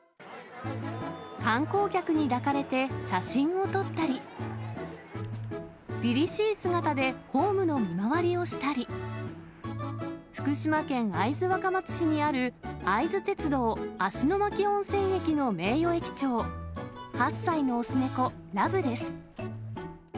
観光客に抱かれて写真を撮ったり、りりしい姿でホームの見回りをしたり、福島県会津若松市にある、会津鉄道芦ノ牧温泉駅の名誉駅長、８歳の雄猫、らぶです。